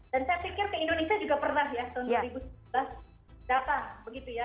dan saya pikir ke indonesia juga pernah ya tahun dua ribu sembilan belas datang begitu ya